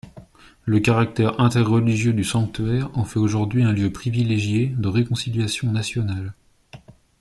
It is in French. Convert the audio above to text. Le caractère interreligieux du sanctuaire en fait aujourd'hui un lieu privilégié de réconciliation nationale.